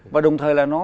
và đồng thời là nó